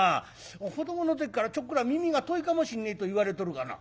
子どもの時からちょっくら耳が遠いかもしんねえと言われとるがな」。